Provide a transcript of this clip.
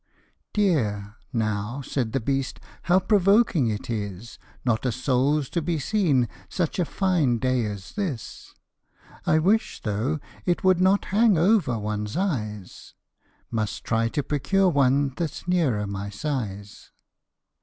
"Dear! now," said the beast, " how provoking it is, Not a soul's to be seen such a fine day as this !" I wish though it would not hang over one's eyes ; I must try to procure one that's nearer my size."